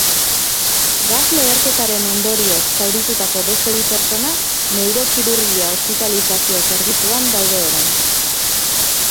Gas-leherketaren ondorioz zauritutako beste bi pertsona neurokirurgia ospitalizazio zerbitzuan daude orain.